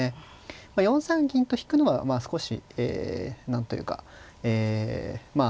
４三銀と引くのはまあ少し何というかえまあ